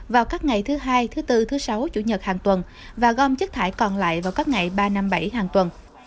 vào các ngày thứ hai thứ bốn thứ sáu chủ nhật hàng tuần và gom chất thải còn lại vào các ngày ba năm bảy hàng tuần